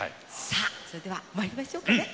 さあそれではまいりましょうかね。